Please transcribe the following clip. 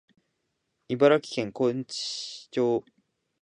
茨城県河内町